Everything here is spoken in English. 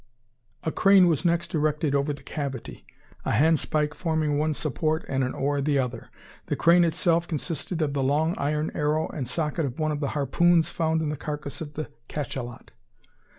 A crane was next erected over the cavity, a handspike forming one support and an oar the other. The crane itself consisted of the long iron arrow and socket of one of the harpoons found in the carcass of the cachalot.